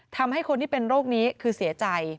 ทำให้คนที่เป็นโรคนี้คือเสียใจ